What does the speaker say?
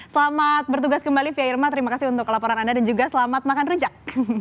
selamat bertugas kembali fia irma terima kasih untuk laporan anda dan juga selamat makan rujak